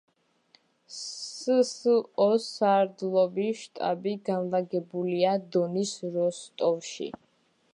სსო-ს სარდლობის შტაბი განლაგებულია დონის როსტოვში.